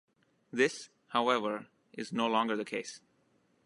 This, however, is no longer the case.